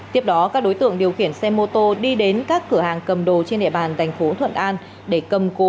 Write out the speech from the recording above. tiếp đó các đối tượng điều khiển xe mô tô đi đến các cửa hàng cầm đồ trên địa bàn thành phố thuận an để cầm cố